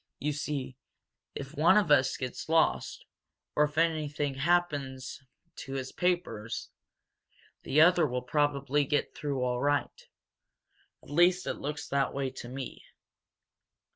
"You see, if one of us gets lost, or anything happens to his papers, the other will probably get through all right. At least it looks that way to me."